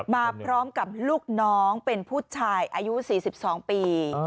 มาพร้อมกับลูกน้องเป็นผู้ชายอายุ๔๒ปี